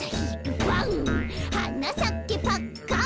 「はなさけパッカン」